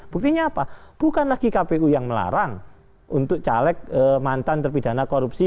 buktinya apa bukan lagi kpu yang melarang untuk caleg mantan terpidana korupsi